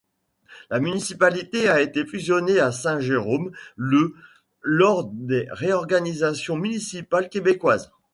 La municipalité a été fusionnée à Saint-Jérôme le lors des réorganisations municipales québécoises.